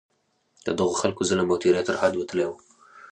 د دغو خلکو ظلم او تېری تر حده وتلی وو.